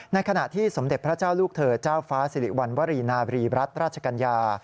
ขณะที่สมเด็จพระเจ้าลูกเธอเจ้าฟ้าสิริวัณวรีนาบรีรัฐราชกัญญา